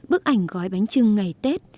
bức ảnh gói bánh trưng ngày tết